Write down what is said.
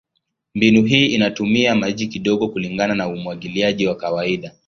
Mbinu hii inatumia maji kidogo kulingana na umwagiliaji wa kawaida.